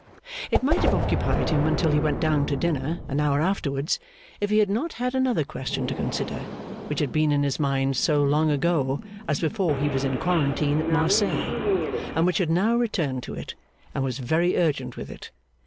It might have occupied him until he went down to dinner an hour afterwards, if he had not had another question to consider, which had been in his mind so long ago as before he was in quarantine at Marseilles, and which had now returned to it, and was very urgent with it.